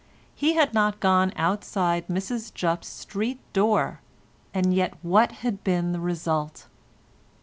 He had not gone outside Mrs Jupp's street door, and yet what had been the result?